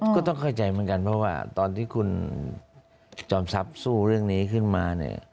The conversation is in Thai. ก็ต้องเข้าใจเหมือนกันเพราะว่าตอนที่คุณจอมทรัพย์สู้เรื่องนี้ขึ้นมาเนี่ย